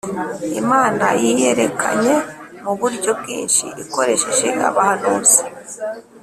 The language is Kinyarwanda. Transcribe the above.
Imana yiyerekanye mu buryo bwinshi ikoresheje abahanuzi